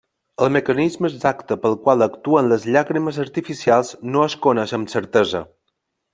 El mecanisme exacte pel qual actuen les llàgrimes artificials no es coneix amb certesa.